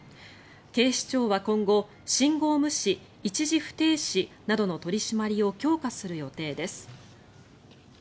警視庁は今後信号無視、一時不停止などの取り締まりを強化する予定です。